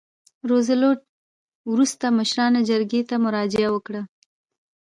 روزولټ وروسته مشرانو جرګې ته مراجعه وکړه.